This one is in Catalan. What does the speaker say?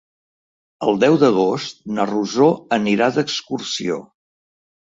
El deu d'agost na Rosó anirà d'excursió.